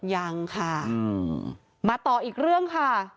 ยังค่ะมาต่ออีกเรื่องค่ะ